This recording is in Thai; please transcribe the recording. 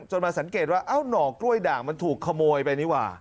มาสังเกตว่าเอ้าหน่อกล้วยด่างมันถูกขโมยไปนี่ว่า